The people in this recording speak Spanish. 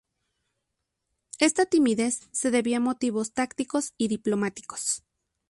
Esta timidez se debía a motivos tácticos y diplomáticos.